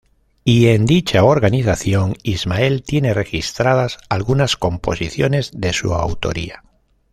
Y en dicha organización, Ismael tiene registradas algunas composiciones de su autoría.